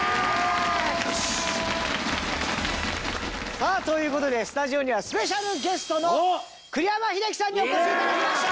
さあという事でスタジオにはスペシャルゲストの栗山英樹さんにお越し頂きました！